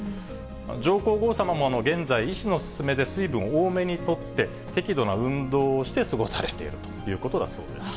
上皇后さまも現在、医師の勧めで水分多めにとって、適度な運動をして過ごされているということだそうです。